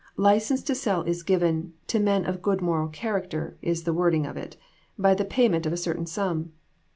License to sell is given to 'men of good moral character' is the wording of it by the payment of a certain sum."